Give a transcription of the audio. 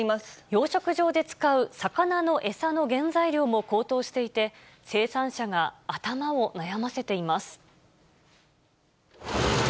養殖場で使う魚の餌の原材料も高騰していて、生産者が頭を悩ませています。